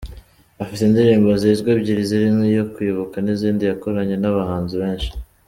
Afite indirimbo zizwi ebyiri zirimo iyo kwibuka n’izindi yakoranye n’abahanzi benshi.